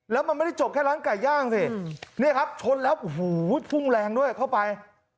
แล้วมันไม่ได้จบแค่ร้านไก่ย่างสิเนี่ยครับชนแล้วโอ้โหพุ่งแรงด้วยเข้าไป